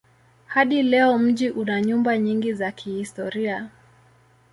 Hadi leo mji una nyumba nyingi za kihistoria.